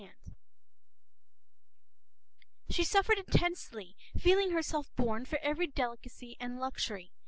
p>She suffered intensely, feeling herself born for every delicacy and every luxury.